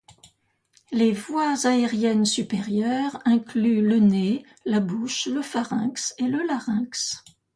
Les voies aériennes supérieures incluent le nez, la bouche, le pharynx et le larynx.